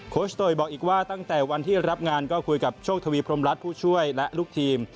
ชโตยบอกอีกว่าตั้งแต่วันที่รับงานก็คุยกับโชคทวีพรมรัฐผู้ช่วยและลูกทีม